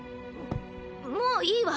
もういいわ。